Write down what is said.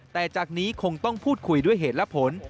แต่จากนี้คงต้องพูดคุยด้วยเหตุและผล